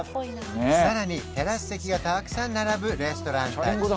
さらにテラス席がたくさん並ぶレストラン達